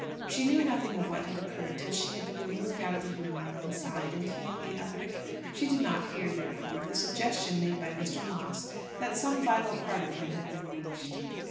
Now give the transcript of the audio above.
She knew nothing of what had occurred till she had been removed out of the room on one side, and he on the other. She did not hear, therefore, of the suggestion made by Mr. Moss that some vital part of him had been reached.